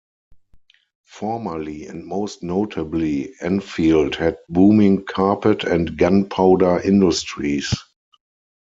Formerly and most notably, Enfield had booming carpet and gunpowder industries.